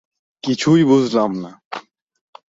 কিছুই বুঝলাম না।